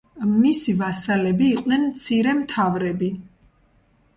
მისი ვასალები იყვნენ მცირე მთავრები.